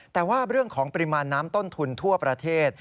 แต่ว่าเรื่องของปริมาณน้ำต้นทุนทั่วประเทศ